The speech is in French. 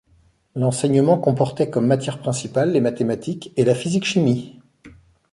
L'enseignement comportait comme matières principales les mathématiques et la physique-chimie.